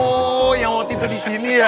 oh yang mau tidur di sini ya